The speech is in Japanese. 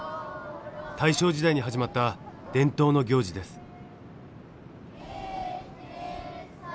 大正時代に始まった伝統の行事です。